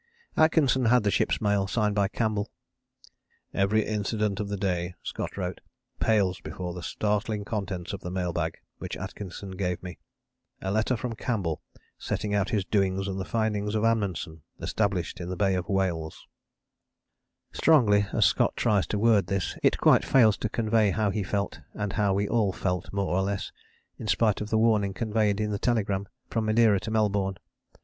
Atkinson had the ship's mail, signed by Campbell. "Every incident of the day," Scott wrote, "pales before the startling contents of the mail bag which Atkinson gave me a letter from Campbell setting out his doings and the finding of Amundsen established in the Bay of Whales." [Illustration: HUT POINT E. A. Wilson, del.] Strongly as Scott tries to word this, it quite fails to convey how he felt, and how we all felt more or less, in spite of the warning conveyed in the telegram from Madeira to Melbourne.